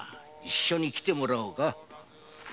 一緒に来てもらおうか。